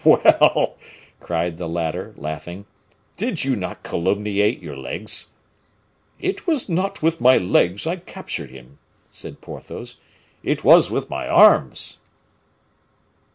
"Well!" cried the latter, laughing, "did you not calumniate your legs?" "It was not with my legs I captured him," said Porthos, "it was with my arms!"